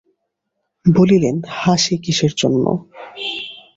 বলিলেন, হাসি কিসের জন্য!